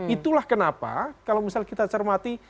itulah kenapa kalau misal kita cermati